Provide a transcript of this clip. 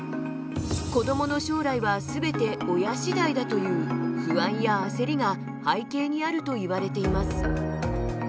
子どもの将来は全て親次第だという不安や焦りが背景にあるといわれています。